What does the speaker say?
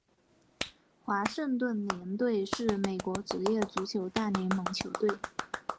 华盛顿联队是美国职业足球大联盟球队。